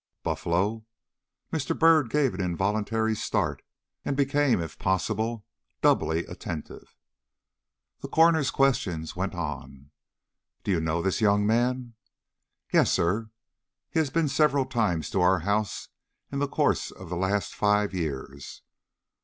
Buffalo! Mr. Byrd gave an involuntary start, and became, if possible, doubly attentive. The coroner's questions went on. "Do you know this young man?" "Yes, sir. He has been several times to our house in the course of the last five years."